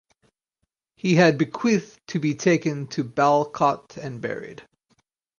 He had bequeathed to be taken to Balakot and buried.